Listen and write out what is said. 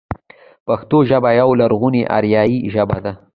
پښتو ژبه يوه لرغونې اريايي ژبه ده.